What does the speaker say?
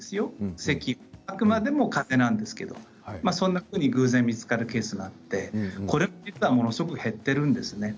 せき、あくまでもかぜなんですけれどもそんなふうに行く前に見つかるケースがあってこれ実はものすごく減っているんですね。